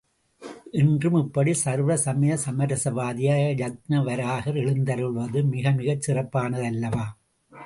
இன்றும் இப்படி சர்வ சமய சமரச வாதியாக யக்ஞ வராகர் எழுந்தருளுவது மிக மிகச் சிறப்பானதல்லவா?